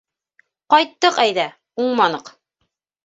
Ҡайттыҡ әйҙә, уңманыҡ.